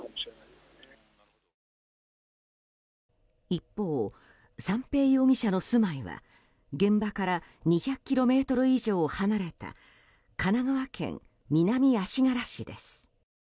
一方、三瓶容疑者の住まいは現場から２００ｋｍ以上離れた神奈川県南足柄市です。